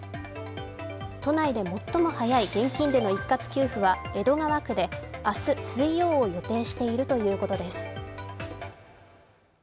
都内で最も早い現金での一括給付は江戸川区で、明日水曜を予定しているということです。